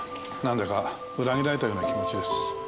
なんだか裏切られたような気持ちです。